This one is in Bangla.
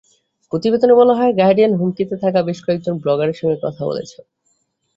প্রতিবেদনে বলা হয়, গার্ডিয়ান হুমকিতে থাকা বেশ কয়েকজন ব্লগারের সঙ্গে কথা বলেছে।